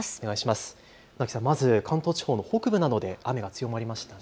船木さん、まず関東地方の北部などで雨が強まりましたね。